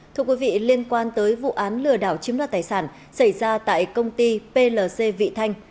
thưa quý vị liên quan tới vụ án lừa đảo chiếm đoạt tài sản xảy ra tại công ty plc vị thanh